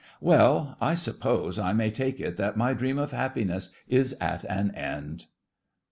Well, I suppose I may take it that my dream of happiness is at an end!